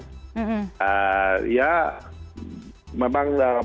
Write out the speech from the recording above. ya memang negosiasinya cukup lama apalagi ini pandemi ini